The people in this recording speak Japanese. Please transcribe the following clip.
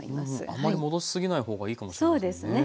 あまり戻し過ぎない方がいいかもしれませんね。